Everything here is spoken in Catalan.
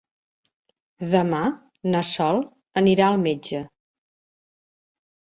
Demà na Sol anirà al metge.